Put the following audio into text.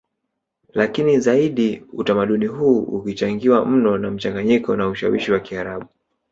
Lakini zaidi utamaduni huu ukichangiwa mno na mchanganyiko na ushawishi wa Kiarabu